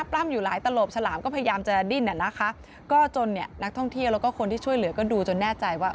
ปล้ำอยู่หลายตลบฉลามก็พยายามจะดิ้นอ่ะนะคะก็จนเนี่ยนักท่องเที่ยวแล้วก็คนที่ช่วยเหลือก็ดูจนแน่ใจว่า